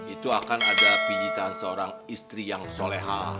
itu akan ada pijitan seorang istri yang soleha